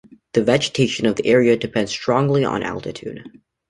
The vegetation of the area depends strongly on altitude.